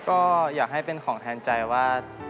ก็อยากให้เป็นของแทนใจว่า